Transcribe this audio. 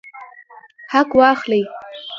حق واخلئ